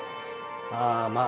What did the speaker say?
ああまあ